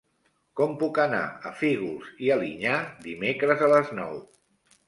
Com puc anar a Fígols i Alinyà dimecres a les nou?